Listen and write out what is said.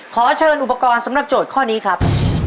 ขอเชิญอุปกรณ์สำหรับโจทย์ข้อนี้ครับ